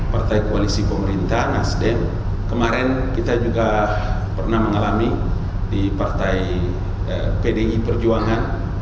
partai koalisi pemerintah nasdem kemarin kita juga pernah mengalami di partai pdi perjuangan